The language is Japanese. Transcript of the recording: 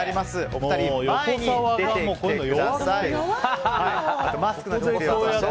お二人、前に出てきてください。